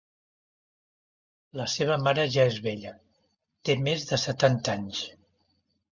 La seva mare ja és vella: té més de setanta anys.